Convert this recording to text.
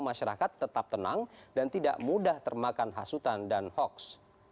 masyarakat tetap tenang dan tidak mudah termakan hasutan dan hoaks